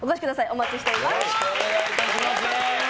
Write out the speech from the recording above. お待ちしています。